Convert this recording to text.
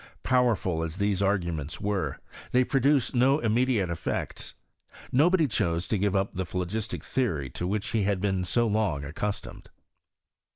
Powerful as these arguments were, they produced no immediate effects. JNobody chose to give up the phlogistic theory to which he had been so long accustomed.